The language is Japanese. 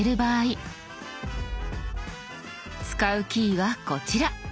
使うキーはこちら。